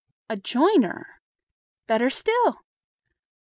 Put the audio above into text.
"A joiner?" "Better still!"